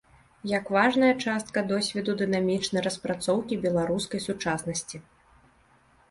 Як важная частка досведу дынамічнай распрацоўкі беларускай сучаснасці.